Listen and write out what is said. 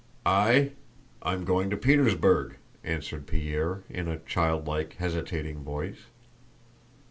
"I?... I'm going to Petersburg," answered Pierre, in a childlike, hesitating voice.